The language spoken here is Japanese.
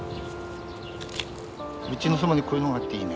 うちのそばにこういうものがあっていいね。